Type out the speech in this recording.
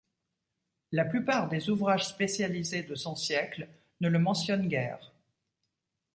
La plupart des ouvrages spécialisés de son siècle ne le mentionnent guère.